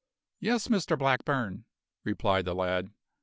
"Yes, Mr Blackburn," replied the lad.